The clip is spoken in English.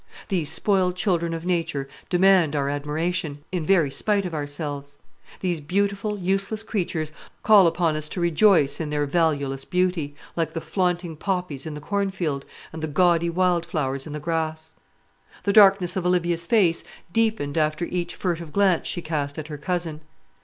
These spoiled children of nature demand our admiration, in very spite of ourselves. These beautiful, useless creatures call upon us to rejoice in their valueless beauty, like the flaunting poppies in the cornfield, and the gaudy wild flowers in the grass. The darkness of Olivia's face deepened after each furtive glance she cast at her cousin.